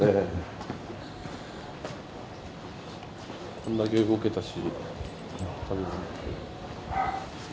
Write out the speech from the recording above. こんだけ動けたし。